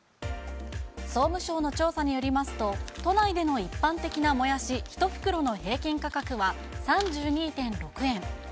総務省の調査によりますと、都内での一般的なもやし１袋の平均価格は３２．６円。